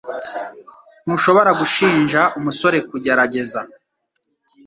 Ntushobora gushinja umusore kugerageza